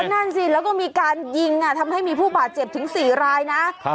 นั่นสิแล้วก็มีการยิงทำให้มีผู้บาดเจ็บถึง๔รายนะ